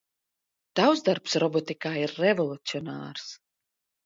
Tavs darbs robotikā ir revolucionārs.